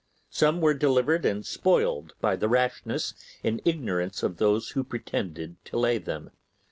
Some were delivered and spoiled by the rashness and ignorance of those who pretended to lay them.